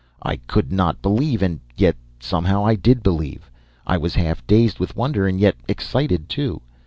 "I could not believe and yet somehow I did believe! I was half dazed with wonder and yet excited too.